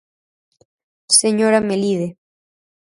Señora Melide.